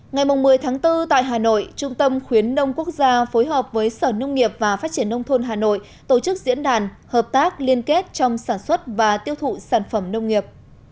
ngày một mươi tháng bốn tại hà nội trung tâm khuyến nông quốc gia phối hợp với sở nông nghiệp và phát triển nông thôn hà nội tổ chức diễn đàn hợp tác liên kết trong sản xuất và tiêu thụ sản phẩm nông nghiệp